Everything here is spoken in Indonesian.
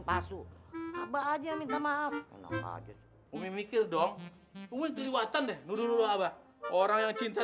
kasur apa aja minta maaf umi mikir dong woi terliwatan deh dulu dulu apa orang yang cinta